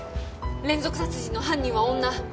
連続殺人の犯人は女。